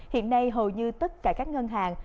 hiện nay hầu như tất cả các ngân hàng